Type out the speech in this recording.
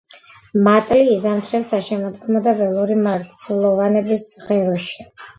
მატლი იზამთრებს საშემოდგომო და ველური მარცვლოვანების ღეროში.